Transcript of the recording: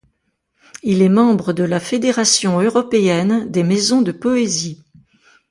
Il est membre de la Fédération européenne des maisons de poésie.